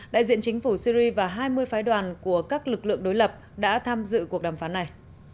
đại diện chính phủ syri và hai mươi phái đoàn của các lực lượng đối lập đã tham dự cuộc đàm phán này